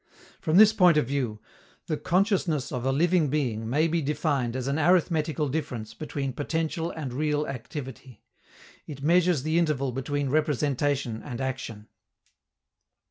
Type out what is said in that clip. From this point of view, the consciousness of a living being may be defined as an arithmetical difference between potential and real activity. _It measures the interval between representation and action.